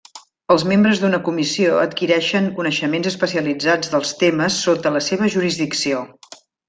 Els membres d'una comissió adquireixen coneixements especialitzats dels temes sota la seva jurisdicció.